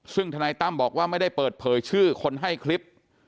ซึ่งธนายตั้มบอกว่าไม่ได้เปิดเผยชื่อคนให้คลิป